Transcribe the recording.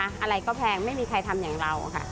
อะไรก็แพงไม่มีใครทำอย่างเราค่ะ